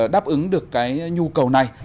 đáp ứng được cái nhu cầu này